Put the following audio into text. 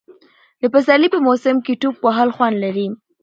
د پسرلي په موسم کې ټوپ وهل خوند لري.